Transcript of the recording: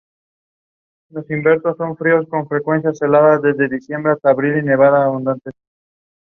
Bethel Baptist Hospital is the only major healthcare institution in the barangay.